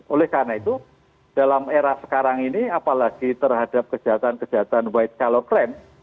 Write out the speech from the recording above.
oleh karena itu dalam era sekarang ini apalagi terhadap kejahatan kejahatan white scolow crime